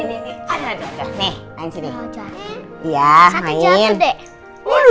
satu jatuh deh